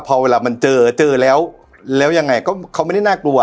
พอเวลามันเจอเจอแล้วแล้วยังไงก็เขาไม่ได้น่ากลัว